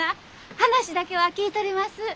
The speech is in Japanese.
話だけは聞いとります。